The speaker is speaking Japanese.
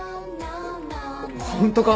ホントか！？